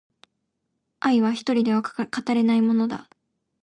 愛は一人では語れないものだ